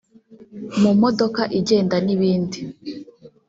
mu modoka igenda n’ibindi